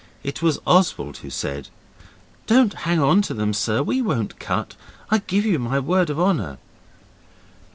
It was Oswald who said 'Don't hang on to them, sir. We won't cut. I give you my word of honour.